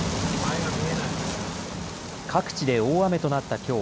各地で大雨となった、きょう。